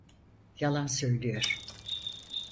Yalan söylüyor!